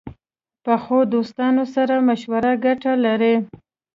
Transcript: پخو دوستانو سره مشوره ګټه لري